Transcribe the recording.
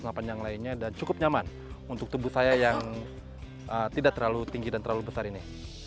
senapan yang lainnya dan cukup nyaman untuk tubuh saya yang tidak terlalu tinggi dan terlalu besar ini